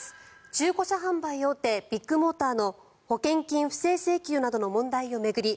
中古車販売大手ビッグモーターの保険金不正請求などの問題を巡り